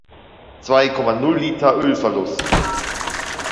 Zwei Komma Null Liter - Ölverlust.